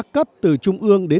với tổ chức ấn độ